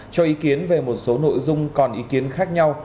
cho ý kiến về một số nội dung còn ý kiến khác nhau